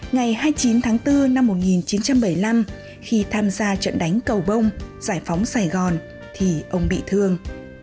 ngày hai mươi chín tháng bốn năm một nghìn chín trăm bảy mươi năm khi tham gia trận đánh cầu bông giải phóng sài gòn thì ông bị thương